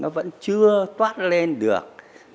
nó vẫn chưa toát lên được